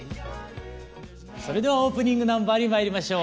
それではオープニングナンバーにまいりましょう。